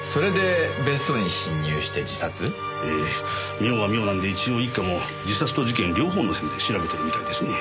妙は妙なんで一応一課も自殺と事件両方の線で調べてるみたいですね。